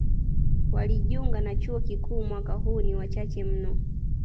Walijunga na chuo kikuu mwaka huu ni wachache mno.